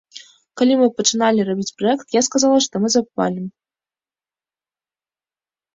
Калі мы пачыналі рабіць праект, я сказала, што мы запалім.